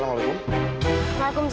kamilah yang mampus